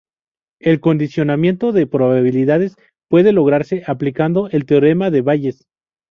El condicionamiento de probabilidades puede lograrse aplicando el teorema de Bayes.